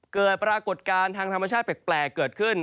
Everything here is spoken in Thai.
เกิดปรากฏการณ์ทางธรรมชาติแปลกเกิดขึ้น